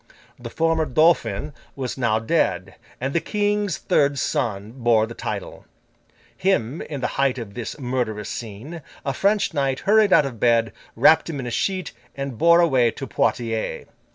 The former Dauphin was now dead, and the King's third son bore the title. Him, in the height of this murderous scene, a French knight hurried out of bed, wrapped in a sheet, and bore away to Poitiers.